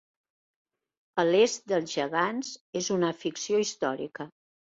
"A l'est dels gegants" és una ficció històrica.